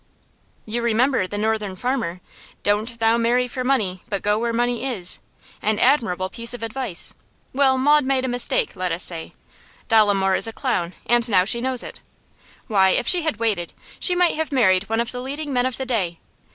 'You remember the Northern Farmer: "Doan't thou marry for money, but go where money is." An admirable piece of advice. Well, Maud made a mistake, let us say. Dolomore is a clown, and now she knows it. Why, if she had waited, she might have married one of the leading men of the day.